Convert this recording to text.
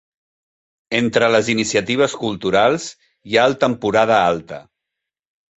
Entre les iniciatives culturals, hi ha el Temporada Alta.